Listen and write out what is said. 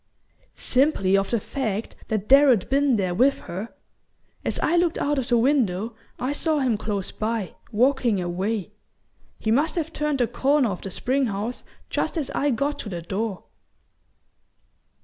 "Simply of the fact that Darrow'd been there with her. As I looked out of the window I saw him close by, walking away. He must have turned the corner of the spring house just as I got to the door."